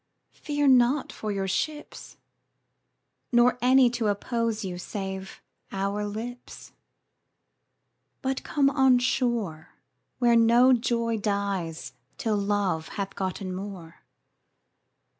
Fear not your ships, Nor any to oppose you save our lips; But come on shore, Where no joy dies till Love hath gotten more.